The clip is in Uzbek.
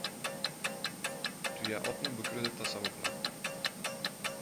• Tuya otni bukri deb tasavvur qiladi.